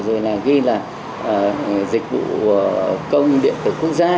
rồi là ghi là dịch vụ công điện tử quốc gia